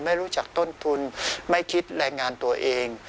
ไม่รู้จักต้นทุนไม่คิดแรงงานตัวเอง